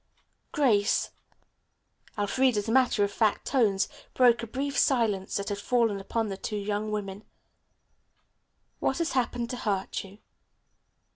"Grace," Elfreda's matter of fact tones broke a brief silence that had fallen upon the two young women. "What has happened to hurt you?"